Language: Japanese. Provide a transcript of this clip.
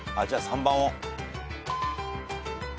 じゃあ３番を。